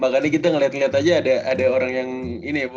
makanya kita ngeliat lihat aja ada orang yang ini ya bu